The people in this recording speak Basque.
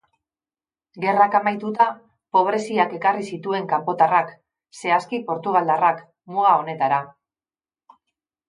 Gerrak amaituta, pobreziak ekarri zituen kanpotarrak, zehazki portugaldarrak, muga honetara.